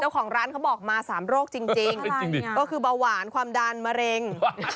เขาบอกร้านเขาบอกมา๓โรคจริงก็คือเบาหวานความดันมะเร็ง